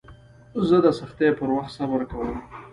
زه د سختیو پر وخت صبر کوم.